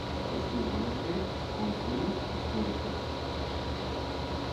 Es únicamente con fines históricos.